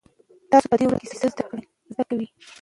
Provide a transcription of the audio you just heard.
تاسو په دې ورځو کې څه زده کوئ؟